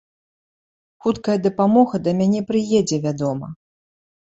Хуткая дапамога да мяне прыедзе, вядома.